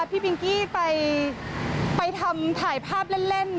พี่ปิงกี้ไปทำถ่ายภาพเล่น